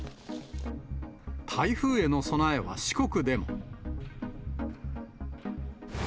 台風への備えは四国でも。